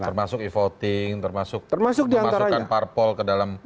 termasuk e voting termasuk memasukkan parpol ke dalam